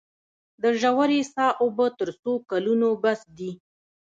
د ژورې څاه اوبه تر څو کلونو بس دي؟